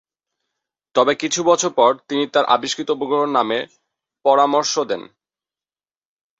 তবে কিছু বছর পর তিনি তার আবিষ্কৃত উপগ্রহের নামের পরামর্শ দেন।